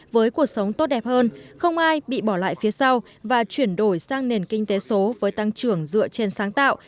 với cuộc sống tốt đẹp hơn không ai bị bỏ lại phía sau và chuyển đổi sang nền kinh tế số với tăng trưởng dựa trên sáng tạo